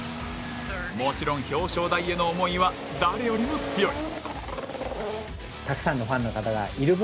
もちろん表彰台への思いは誰よりも強い。